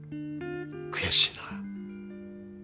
悔しいな。